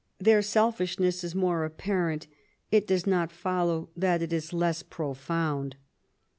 Their selfishness is more apparent ; it does, not follow that it is less profound.